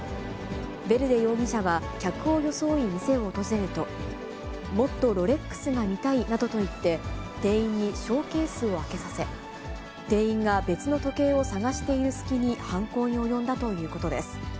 ヴェルデ容疑者は、客を装い店を訪れると、もっとロレックスが見たいなどと言って、店員にショーケースを開けさせ、店員が別の時計を探している隙に犯行に及んだということです。